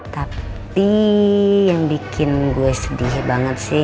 tapi yang bikin gue sedih banget sih